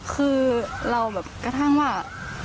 คือเราแบบกระทั่งว่า